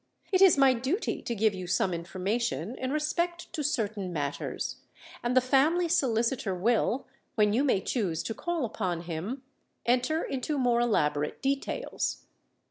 "It is my duty to give you some information in respect to certain matters; and the family solicitor will, when you may choose to call upon him, enter into more elaborate details.